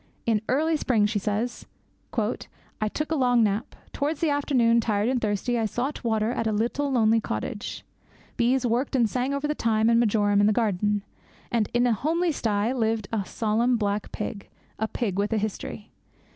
'In early spring,' she says, 'I took a long tramp. Towards afternoon, tired and thirsty, I sought water at a little lonely cottage. Bees worked and sang over the thyme and marjoram in the garden; and in a homely sty lived a solemn black pig, a pig with a history.